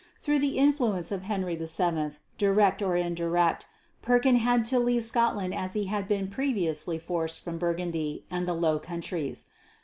Through the influence of Henry VII, direct or indirect, Perkin had to leave Scotland as he had been previously forced from Burgundy and the Low Countries.